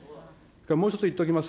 もう一つ言っておきます。